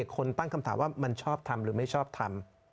คนตั้งคำถามว่ามันชอบทำหรือไม่ชอบทำ